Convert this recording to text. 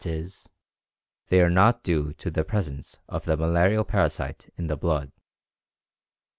e._, they are not due to the presence of the malarial parasite in the blood.